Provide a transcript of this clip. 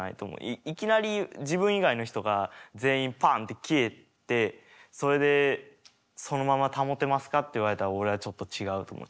いきなり自分以外の人が全員パンって消えてそれで「そのまま保てますか？」って言われたら俺はちょっと違うと思う。